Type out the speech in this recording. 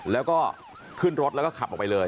แล้วก็ขึ้นรถแล้วก็ขับออกไปเลย